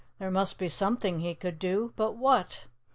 There must be something he could do, but what?